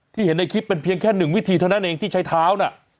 เห็นในคลิปเป็นเพียงแค่๑วิธีเท่านั้นเองที่ใช้เท้าน่ะ